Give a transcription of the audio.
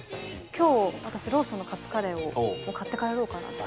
今日私ローソンのカツカレーを買って帰ろうかなと。